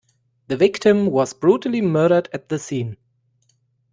The victim was brutally murdered at the scene.